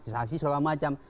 saksis segala macam